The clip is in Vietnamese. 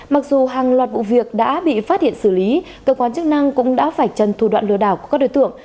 mặc dù hàng loạt vụ việc đã bị phát hiện xử lý cơ quan chức năng cũng đã phải trần thủ đoạn lừa đảo của các đối tượng